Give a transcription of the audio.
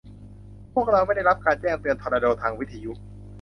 พวกเราไม่ได้รับการแจ้งเตือนทอร์นาโดทางวิทยุ